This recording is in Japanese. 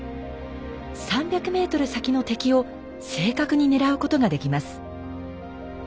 ３００ｍ先の敵を正確に狙うことができます。